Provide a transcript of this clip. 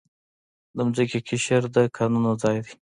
د ځمکې قشر د کانونو ځای دی.